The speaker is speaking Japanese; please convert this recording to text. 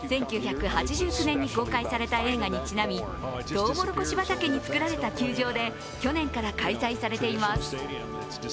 １９８９年に公開された映画にちなみとうもろこし畑に作られた球場で去年から開催されています。